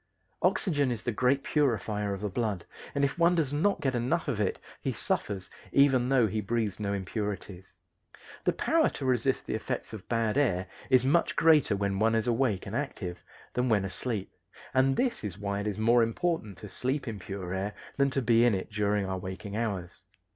Oxygen is the great purifier of the blood, and if one does not get enough of it he suffers even though he breathes no impurities. The power to resist the effects of bad air is much greater when one is awake and active than when asleep, and this is why it is more important to sleep in pure air than to be in it during our waking hours.